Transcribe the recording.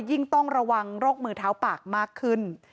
ยิ่งต้องระวังโรคมือเท้าปากมากขึ้น